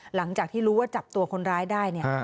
หลังจากที่รู้ว่าจับตัวคนร้ายได้เนี่ย